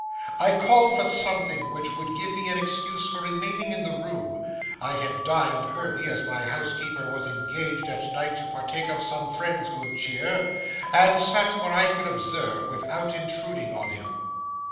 I called for something which would give me an excuse for remaining in the room (I had dined early, as my housekeeper was engaged at night to partake of some friend's good cheer), and sat where I could observe without intruding on him.